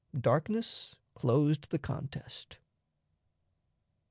Darkness closed the contest.